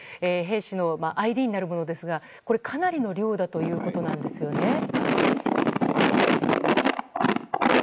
兵士のＩＤになるものですがこれ、かなりの量だということなんですよね。